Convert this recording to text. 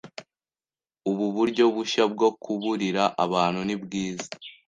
Ubu buryo bushya bwo kuburira abantu nibwiza